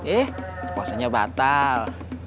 eh puasanya batal